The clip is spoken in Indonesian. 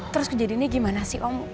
terus kejadiannya gimana sih om